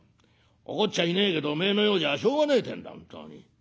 怒っちゃいねえけどおめえのようじゃしょうがねえってんだ本当に。